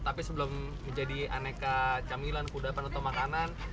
jadi sebelum menjadi aneka camilan kudapan atau makanan